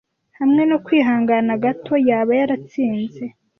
Hamwe no kwihangana gato, yaba yaratsinze.